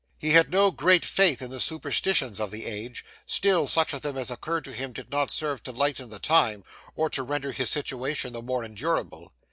He had no great faith in the superstitions of the age, still such of them as occurred to him did not serve to lighten the time, or to render his situation the more endurable.